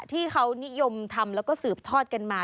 ที่เขานิยมทำแล้วก็สืบทอดกันมา